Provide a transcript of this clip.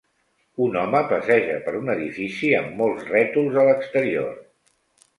Un home passeja per un edifici amb molts rètols a l'exterior.